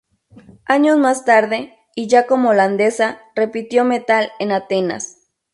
Años más tarde, y ya como holandesa, repitió metal en Atenas.